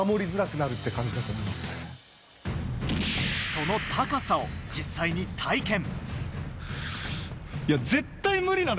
その高さを実際に体験。